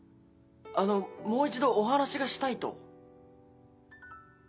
あの「もう一度お話しがしたい」と。